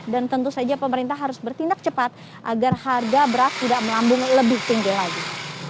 dan tentu saja pemerintah harus bertindak cepat agar harga beras tidak melambung lebih tinggi lagi